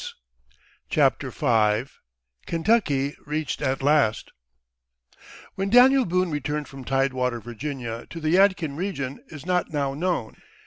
_ CHAPTER V KENTUCKY REACHED AT LAST When Daniel Boone returned from tidewater Virginia to the Yadkin region is not now known.